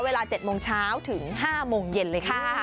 เวลา๗โมงเช้าถึง๕โมงเย็นเลยค่ะ